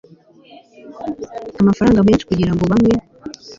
amafaranga menshi kugira ngo bamwe